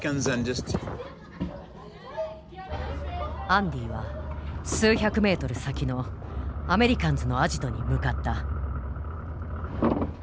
アンディは数百メートル先のアメリカンズのアジトに向かった。